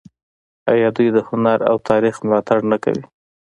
آیا دوی د هنر او تاریخ ملاتړ نه کوي؟